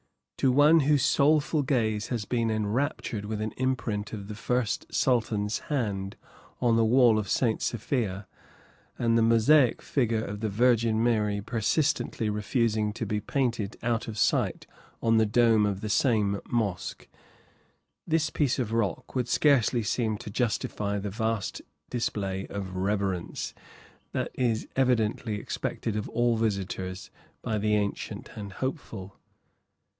To one whose soulful gaze has been enraptured with an imprint of the first Sultan's hand on the wall of St. Sophia, and the mosaic figure of the Virgin Mary persistently refusing to be painted out of sight on the dome of the same mosque, this piece of rock would scarcely seem to justify the vast display of reverence that is evidently expected of all visitors by the Ancient and Hopeful.